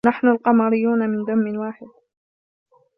نحن القمريون من دم ٍ واحد،